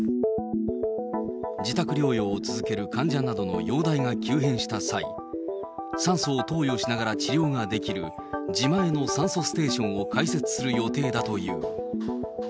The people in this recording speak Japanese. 自宅療養を続ける患者などの容体が急変した際、酸素を投与しながら治療ができる、自前の酸素ステーションを開設する予定だという。